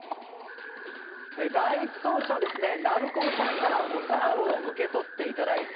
第１走者はＮａｌｕｃｏさんからお皿を受け取っていただいて